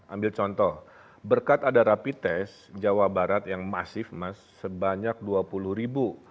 ambil contoh berkat ada rapi tes jawa barat yang masif mas sebanyak dua puluh ribu